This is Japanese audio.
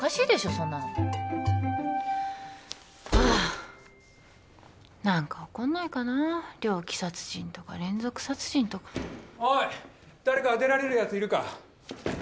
そんなのはあ何か起こんないかな猟奇殺人とか連続殺人とかおい誰か出られるやついるか？